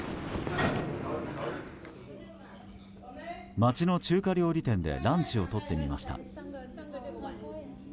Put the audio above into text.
街の中華料理店でランチをとってみました。